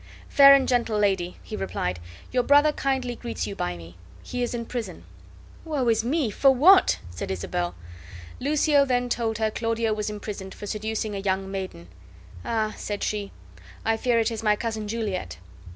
"Fair and gentle lady," he replied, "your brother kindly greets you by me; he is in prison." "Woe is me! for what?" said Isabel. Lucio then told her Claudio was imprisoned for seducing a young maiden. "Ah," said she, "I fear it is my cousin Juliet."